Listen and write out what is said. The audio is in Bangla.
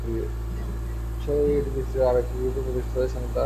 বিশ্বব্যাপী বিস্তৃত আরএকে গ্রুপটি প্রতিষ্ঠিত হয় সংযুক্ত আরব আমিরাতে।